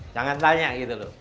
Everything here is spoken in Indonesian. jangan tanya gitu loh